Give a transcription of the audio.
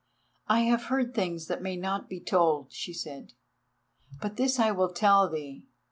"I have heard things that may not be told," she said, "but this I will tell thee.